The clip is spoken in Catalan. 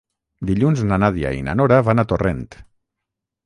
Dilluns na Nàdia i na Nora van a Torrent.